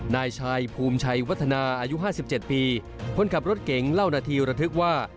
นายชายภูมิชัยวัฒนาอายุ๕๗ปีคนขับรถเก๋งเล่านาทีระทึกว่า